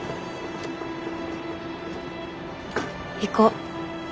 行こう。